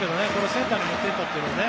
センターに持っていったという。